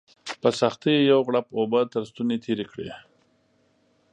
په سختۍ یې یو غوړپ اوبه تر ستوني تېري کړې